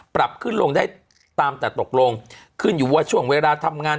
ปรับขึ้นลงได้ตามแต่ตกลงขึ้นอยู่ว่าช่วงเวลาทำงาน